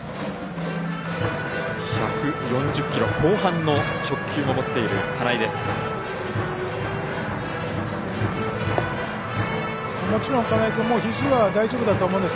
１４０キロ後半の直球も持っている金井です。